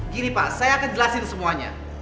gini pak saya akan jelasin semuanya